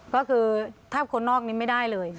ก็คือถ้าคนนอกนี้ไม่ได้เลย